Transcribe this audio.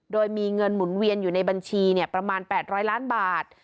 โดยมีเงินหมุนเวียนอยู่ในบัญชีเนี่ยประมาณแปดร้อยล้านบาท